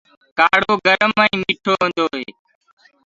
ڪآڙهو گرم اور ميِٺو هوندو هي۔